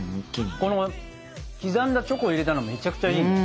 この刻んだチョコを入れたのめちゃくちゃいいね。